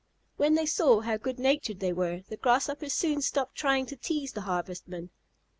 When they saw how good natured they were, the Grasshoppers soon stopped trying to tease the Harvestmen.